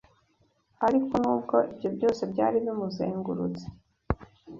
Ariko n’ubwo ibyo byose byari bimuzengurutse,